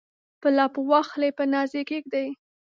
په لپو واخلي په ناز یې کښیږدي